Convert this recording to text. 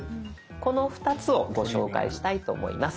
この２つをご紹介したいと思います。